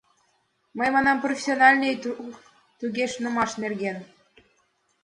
Мый манам профессиональный кугешнымаш нерген.